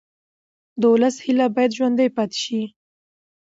د ولس هیله باید ژوندۍ پاتې شي